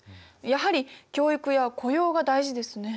やはり教育や雇用が大事ですね。